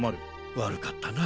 悪かったな。